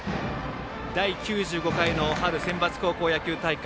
第９５回の春センバツ高校野球大会。